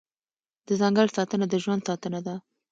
د ځنګل ساتنه د ژوند ساتنه ده